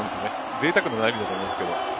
ぜいたくな悩みだと思いますけど。